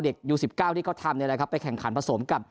เด็กยูสิบเก้าที่เขาทำในอะไรครับไปแข่งขันผสมกับ